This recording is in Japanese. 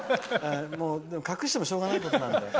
隠してもしょうがないことなので。